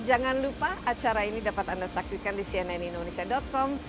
jangan lupa acara ini dapat anda saksikan di cnnindonesia com